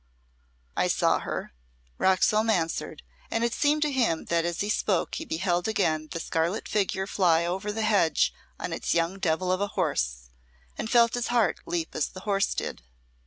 "I saw her," Roxholm answered and it seemed to him that as he spoke he beheld again the scarlet figure fly over the hedge on its young devil of a horse and felt his heart leap as the horse did.